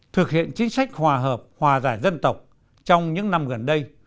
thực hiện chính sách hòa hợp hòa giải dân tộc trong những năm gần đây